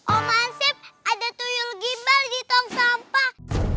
om hansip ada tuyul gimbal di tong sampah